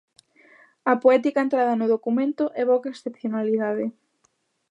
A poética entrada no documento evoca excepcionalidade.